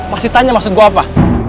masih tanya maksud gue apa